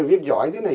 viết giỏi thế này